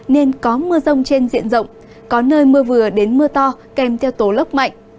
nên có mưa rông trên diện rộng có nơi mưa vừa đến mưa to kèm theo tố lốc mạnh